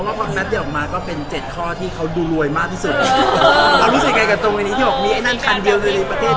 เพราะว่าบางนัดเดียวออกมาก็เป็นเจ็ดข้อที่เขาดูรวยมากที่สุดเรารู้สึกไงกับตรงนี้ที่บอกมีไอ้นั่งคันเดียวในประเทศหนึ่ง